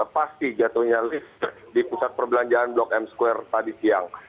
pasti jatuhnya lift di pusat perbelanjaan blok m square tadi siang